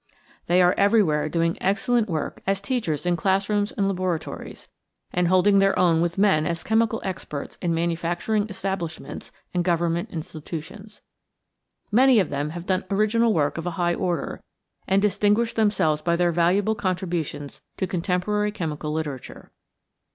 They are everywhere doing excellent work as teachers in classrooms and laboratories and holding their own with men as chemical experts in manufacturing establishments and government institutions. Many of them have done original work of a high order, and distinguished themselves by their valuable contributions to contemporary chemical literature.